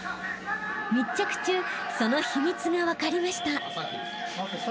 ［密着中その秘密が分かりました］